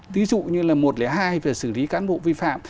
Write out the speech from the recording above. tí dụ như là một trăm linh hai về xử lý cán bộ vi phạm